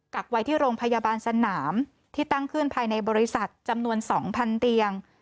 กักไว้ที่โรงพยาบาลสนามที่ตั้งขึ้นภายในบริษัทจำนวน๒๐๐เตียง